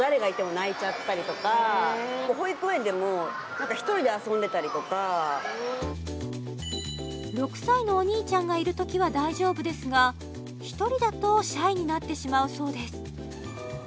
最近とのことですがとにかく６歳のお兄ちゃんがいるときは大丈夫ですが１人だとシャイになってしまうそうです